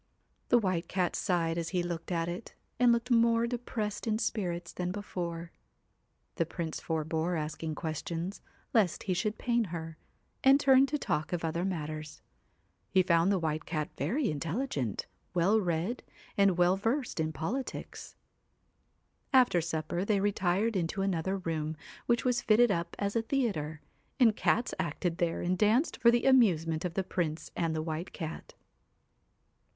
The White Cat sighed as he looked at it, and looked more depressed in spirits than before. The Prince forbore asking questions, lest he should pain her, and turned to talk of other matters. He found the White Cat very intelligent, well read, and well versed in politics. After supper they retired into another room, which was fitted up as a theatre, and cats acted there and danced for the amusement of the Prince and the White Cat.